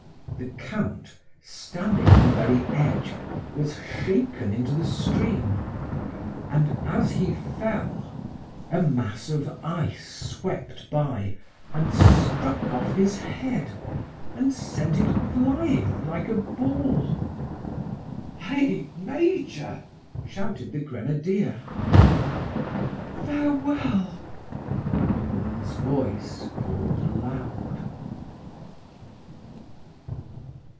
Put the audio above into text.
The Count, standing on the very edge, was shaken into the stream; and as he fell, a mass of ice swept by and struck off his head, and sent it flying like a ball. "Hey! major!" shouted the grenadier. "Farewell!" a woman's voice called aloud.